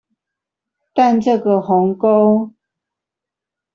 但這個鴻溝